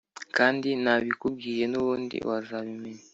kandi ntabikubwiye nubundi wazabimenya